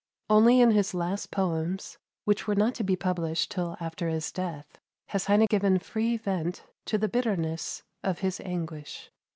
Only in his last poems, which were not to be published till after his death, has Heine given free vent to the bitterness of his anguish.